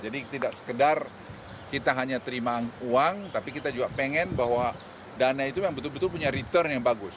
jadi tidak sekedar kita hanya terima uang tapi kita juga pengen bahwa dana itu yang betul betul punya return yang bagus